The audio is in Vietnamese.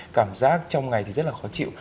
cảm giác trong ngày thì rất là khó chịu